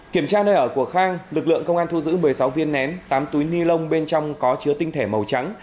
kiểm tra nơi ở của khang lực lượng công an thu giữ một mươi sáu viên nén tám túi ni lông bên trong có chứa tinh thể màu trắng